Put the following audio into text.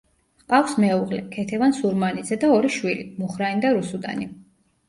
ჰყავს მეუღლე, ქეთევან სურმანიძე და ორი შვილი: მუხრანი და რუსუდანი.